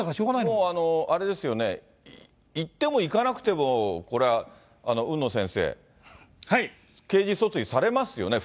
もうあれですよね、行っても行かなくても、これは海野先生、刑事訴追されますよね？